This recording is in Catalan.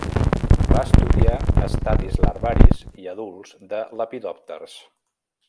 Va estudiar estadis larvaris i adults de lepidòpters.